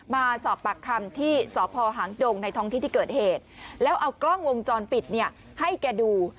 มาสอบปากคำที่สพหางดงในท้องที่ที่เกิดเหตุแล้วเอากล้องวงจรปิดเนี่ยให้แกดู